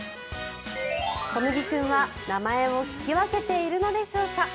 こむぎ君は名前を聞き分けているのでしょうか。